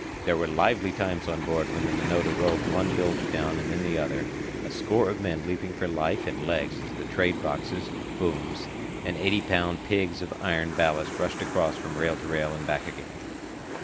There were lively times on board when the Minota rolled one bilge down and then the other, a score of men leaping for life and legs as the trade boxes, booms, and eighty pound pigs of iron ballast rushed across from rail to rail and back again.